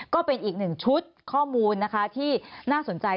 ก็เป็นอีกหนึ่งชุดข้อมูลนะคะที่น่าสนใจ